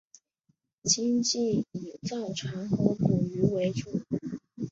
经济以造船和捕鱼为主。